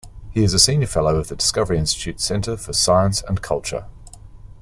He is a senior fellow of the Discovery Institute's Center for Science and Culture.